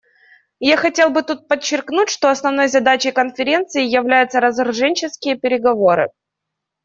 Я хотел бы тут подчеркнуть, что основной задачей Конференции являются разоруженческие переговоры.